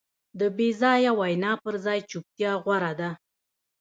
د بېځایه وینا پر ځای چوپتیا غوره ده.